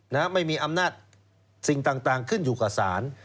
นะฮะไม่มีอำนาจสิ่งต่างต่างขึ้นอยู่กับสาร